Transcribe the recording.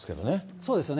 そうですよね。